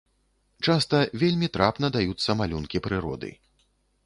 Часта вельмі трапна даюцца малюнкі прыроды.